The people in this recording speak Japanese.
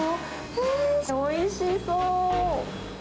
へぇ、おいしそう。